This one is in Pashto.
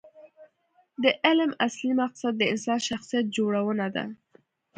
د علم اصلي مقصد د انسان شخصیت جوړونه ده.